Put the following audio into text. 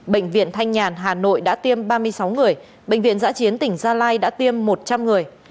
bệnh viện thanh nhàn hà nội đã tiêm ba mươi sáu người bệnh viện giã chiến tỉnh gia lai đã tiêm một trăm linh người